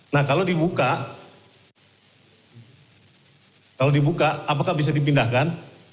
nah kalau dibuka apakah bisa dipindahkan